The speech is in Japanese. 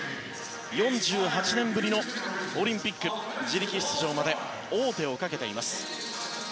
４８年ぶりのオリンピック自力出場まで王手をかけています。